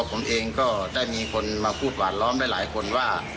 ผมเองก็ได้มีคนมาพูดหวานล้อมได้หลายคนว่า